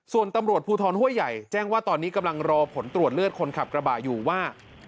ส่วนตำรวจภูทรห้วยใหญ่แจ้งว่าตอนนี้กำลังรอผลตรวจเลือดคนขับกระบะอยู่ว่า